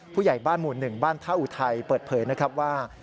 ผู้ใหญ่บ้านหมู่๑บ้านท่าอุทัยเปิดเผยนะครับว่า